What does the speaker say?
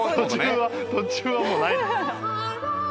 途中はもうないんだ。